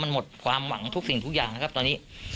มันหมดความหวังทุกสิ่งทุกอย่างนะครับตอนนี้